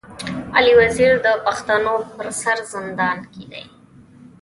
علي وزير د پښتنو پر سر زندان کي دی.